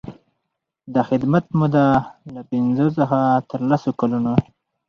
د خدمت موده له پنځه څخه تر لس کلونو.